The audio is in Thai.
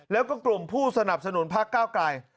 แล้วก็กลุ่มผู้สนับสนุนพักก้าวไกล